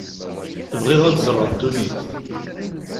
Bɣiɣ ad ẓreɣ ddunit.